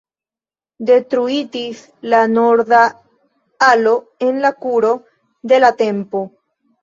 Detruitis la norda alo en la kuro de la tempo.